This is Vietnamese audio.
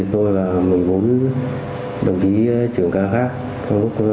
tôi và mình bốn đồng chí trưởng ca khác